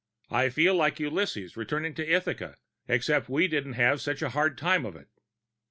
I feel like Ulysses returning to Ithaca, except we didn't have such a hard time of it.